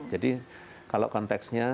jadi kalau konteksnya